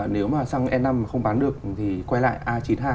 nếu mà xăng e năm mà không bán được thì quay lại a chín mươi hai